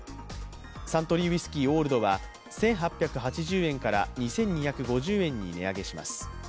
サントリーウイスキーオールドは１８８０円から２２５０円に値上げします。